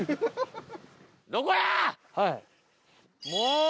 もう！